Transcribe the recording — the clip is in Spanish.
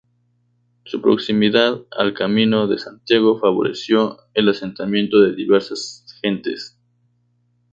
Su proximidad al Camino de Santiago favoreció el asentamiento de diversas gentes.